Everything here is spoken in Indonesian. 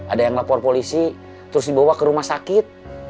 ada yang lapor polisi terus dibawa ke rumah sakit